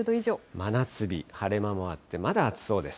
真夏日、晴れ間もあって、まだ暑そうです。